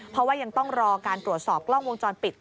เพราะว่ายังต้องรอการตรวจสอบกล้องวงจรปิด